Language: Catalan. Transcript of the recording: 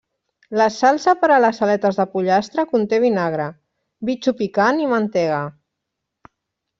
La salsa per a les aletes de pollastre conté vinagre, bitxo picant i mantega.